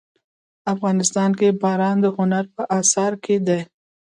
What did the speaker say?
افغانستان کې باران د هنر په اثار کې دي.